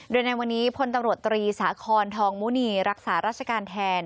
โดยในวันนี้พลตำรวจตรีสาคอนทองมุณีรักษาราชการแทน